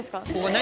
何？